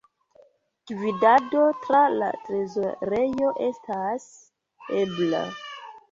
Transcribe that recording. Gvidado tra la trezorejo estas ebla.